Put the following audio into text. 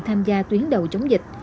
tham gia tuyến đầu chống dịch